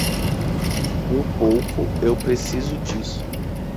Um pouco eu preciso disso.